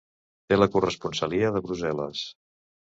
Té la corresponsalia de Brussel·les.